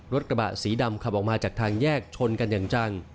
รถกระบะสีดำขับออกมาจากทางแยกชนกันอย่างจัง